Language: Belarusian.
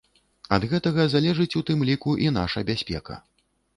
Ад гэтага залежыць у тым ліку і наша бяспека.